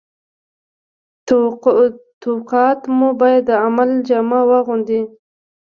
توقعات مو باید د عمل جامه واغوندي